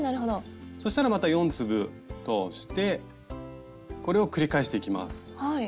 そしたらまた４粒通してこれを繰り返していきます。